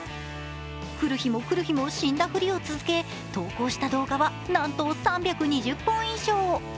来る日も来る日も死んだふりを続け投稿した動画はなんと３２０本以上。